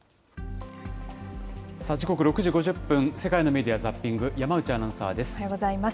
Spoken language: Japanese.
時刻６時５０分、世界のメディア・ザッピング、山内アナウンおはようございます。